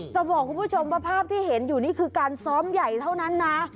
จะบอกคุณผู้ชมว่าภาพที่เห็นอยู่นี่คือการซ้อมใหญ่เท่านั้นนะ